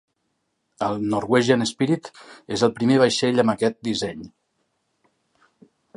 El "Norwegian Spirit" és el primer vaixell amb aquest disseny.